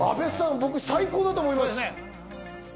僕、最高だと思います。